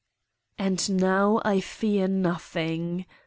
And now I fear noth ing.